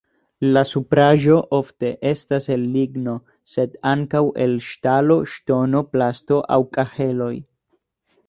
La supraĵo ofte estas el ligno, sed ankaŭ el ŝtalo, ŝtono, plasto aŭ kaheloj.